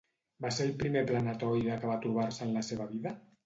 Va ser el primer planetoide que va trobar-se en la seva vida?